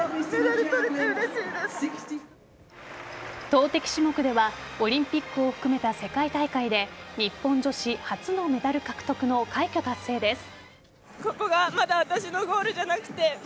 投てき種目ではオリンピックを含めた世界大会で日本女子初のメダル獲得の快挙達成です。